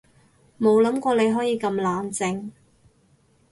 冇諗過你可以咁冷靜